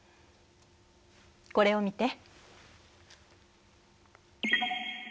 これを見て。